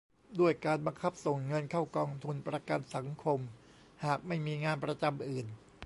ด้วยการบังคับส่งเงินเข้ากองทุนประกันสังคมหากไม่มีงานประจำอื่น